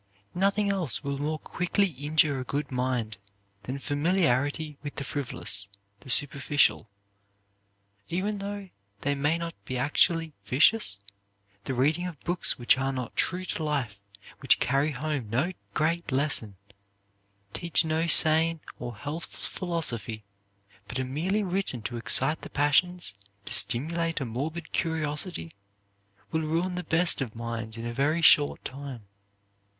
Nothing else will more quickly injure a good mind than familiarity with the frivolous, the superficial. Even though they may not be actually vicious, the reading of books which are not true to life, which carry home no great lesson, teach no sane or healthful philosophy, but are merely written to excite the passions, to stimulate a morbid curiosity, will ruin the best of minds in a very short time.